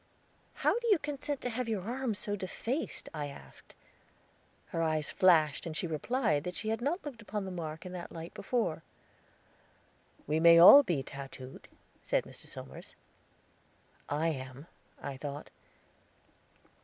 "How could you consent to have your arm so defaced?" I asked. Her eyes flashed as she replied that she had not looked upon the mark in that light before. "We may all be tattooed," said Mr. Somers. "I am," I thought.